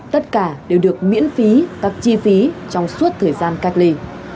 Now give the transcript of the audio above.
tất cả đều được miễn phí các chi phí trong suốt thời gian cách ly